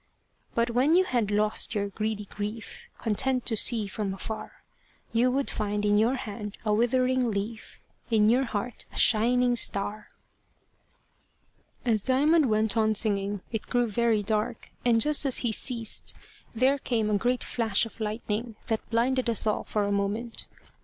But when you had lost your greedy grief, Content to see from afar, You would find in your hand a withering leaf, In your heart a shining star. As Diamond went on singing, it grew very dark, and just as he ceased there came a great flash of lightning, that blinded us all for a moment.